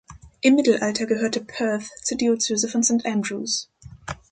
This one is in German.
Im Mittelalter gehörte Perth zur Diözese von St Andrews.